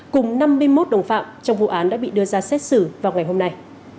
cùng năm mươi một đồng phạm trong vụ án đã bị đưa ra xét xử vào ngày hôm nay